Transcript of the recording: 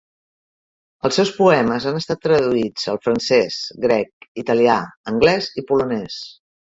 Els seus poemes han estat traduïts al francès, grec, italià, anglès i polonès.